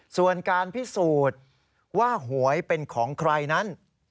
ส่วนการพิสูจน์ว่าหวยเป็นของใครนั้น